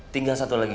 tinggal satu lagi